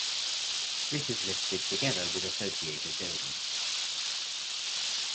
This is listed together with associated buildings.